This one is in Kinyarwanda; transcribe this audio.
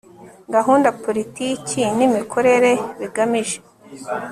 gahunda politiki n imikorere bigamije